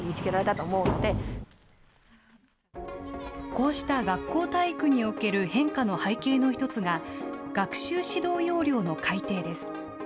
こうした学校体育における変化の背景の１つが、学習指導要領の改定です。